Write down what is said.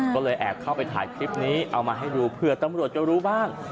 ก็เลยแอบเข้าไปถ่ายคลิปนี้เอามาให้ดูเผื่อตำรวจจะรู้บ้าง